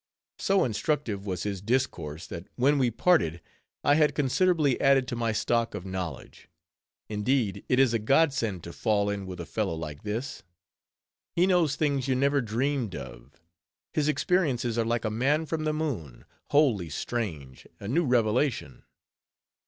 So instructive was his discourse, that when we parted, I had considerably added to my stock of knowledge. Indeed, it is a Godsend to fall in with a fellow like this. He knows things you never dreamed of; his experiences are like a man from the moon—wholly strange, a new revelation.